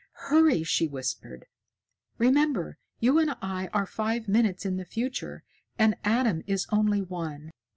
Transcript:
"Hurry!" she whispered. "Remember, you and I are five minutes in the future, and Adam is only one.